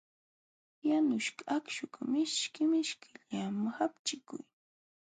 Yanuśhqa akśhukaq mishki mishkillam hapchiyuq.